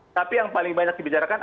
tapi yang paling banyak dibicarakan